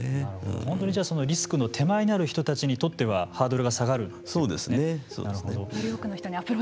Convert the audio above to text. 本当にリスクの手前にある人たちにとってはハードルが下がるということですね。